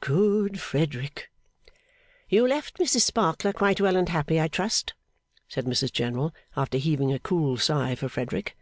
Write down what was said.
Good Frederick!' 'You left Mrs Sparkler quite well and happy, I trust?' said Mrs General, after heaving a cool sigh for Frederick.